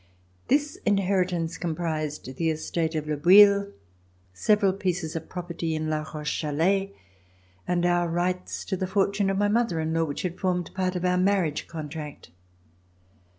This inheritance comprised the estate of Le Bouilh, several pieces of property in La Roche Chalais, and our rights to the fortune of my mother in law which had formed a part of our marriage contract.